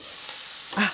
あっ！